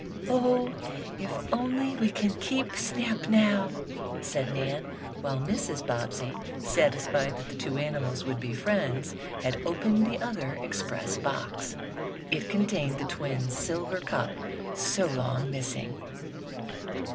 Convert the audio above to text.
"Oh, if only we can keep Snap now," said Nan, while Mrs. Bobbsey, satisfied that the two animals would be friends, had opened the other express box. It contained the twins' silver cup, so long missing.